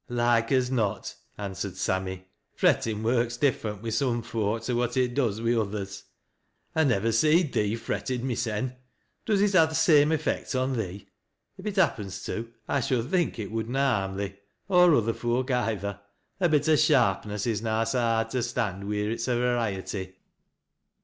"Loike as not," answered Sammy. "Frettin' workt different wi' some foak to what it does wi' others. ] nivver seed thee fretted, mysen. Does it ha' th' same effect on thee ? If it happens to, I should think it would iia harm thee, — or other foak either. A bit o' sharpness is na so hard to stand wheer it's a variety."